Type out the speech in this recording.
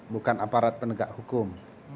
bukan aparat penegak hukum